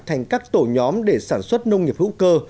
thành các tổ nhóm để sản xuất nông nghiệp hữu cơ